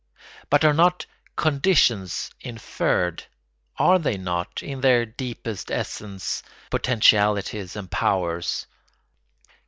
But are not "conditions" inferred? Are they not, in their deepest essence, potentialities and powers?